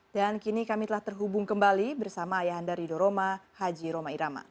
dan kini kami telah terhubung kembali bersama ayahanda ridho roma haji roma irama